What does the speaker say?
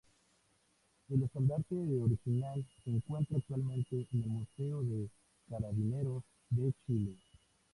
El Estandarte original se encuentra actualmente en el Museo de Carabineros de Chile.